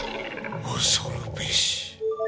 恐るべし！